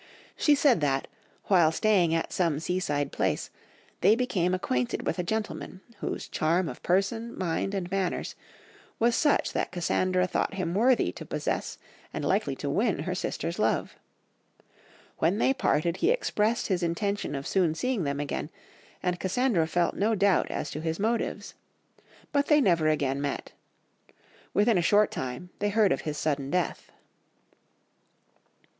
She said that, while staying at some seaside place, they became acquainted with a gentleman, whose charm of person, mind, and manners, was such that Cassandra thought him worthy to possess and likely to win her sister's love. When they parted he expressed his intention of soon seeing them again, and Cassandra felt no doubt as to his motives. But they never again met. Within a short time they heard of his sudden death."